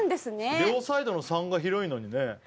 両サイドの３が広いのにね